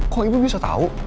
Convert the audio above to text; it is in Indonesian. kok ibu bisa tahu